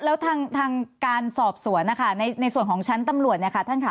แล้วทางการสอบสวนในส่วนของชั้นตำรวจ